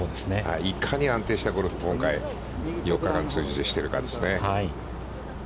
いかに安定したゴルフ、今回４日間通じてしてるかですね。